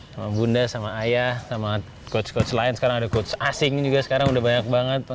sama bunda sama ayah sama coach coach lain sekarang ada coach asing juga sekarang udah banyak banget